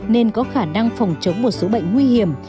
nên có khả năng phòng chống một số bệnh nguy hiểm